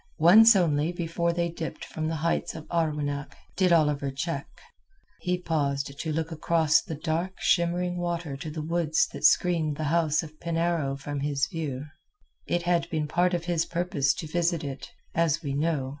Once only before they dipped from the heights of Arwenack did Oliver check. He paused to look across the dark shimmering water to the woods that screened the house of Penarrow from his view. It had been part of his purpose to visit it, as we know.